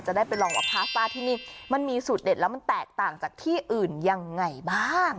ได้ไปลองว่าพาสต้าที่นี่มันมีสูตรเด็ดแล้วมันแตกต่างจากที่อื่นยังไงบ้าง